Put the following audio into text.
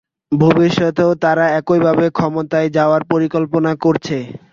ভবিষ্যতেও তারা একইভাবে ক্ষমতায় যাওয়ার পরিকল্পনা করছে।